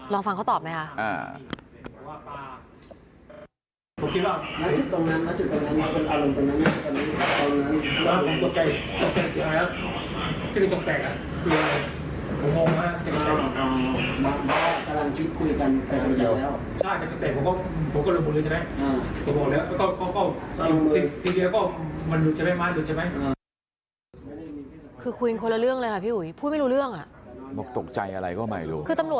ลองฟังเขาตอบไหมคะ